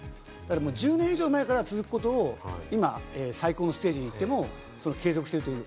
１０年以上前から続くことを今、最高のステージに行っても継続している。